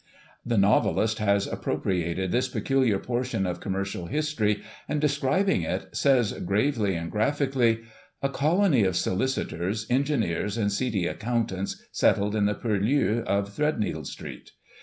279 '* The novelist has appropriated this peculiar portion of com mercial history, and, describing it, says gravely and graphic ally :' A colony of solicitors, engineers and seedy accountants, settled in the purlieus of Threadneedle Street.